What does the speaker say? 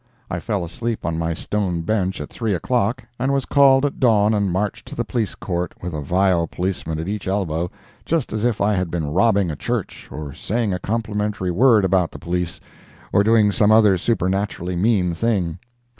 I fell asleep on my stone bench at 3 o'clock, and was called at dawn and marched to the Police Court with a vile policeman at each elbow, just as if I had been robbing a church, or saying a complimentary word about the police, or doing some other supernaturally mean thing.